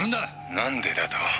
「何でだと？」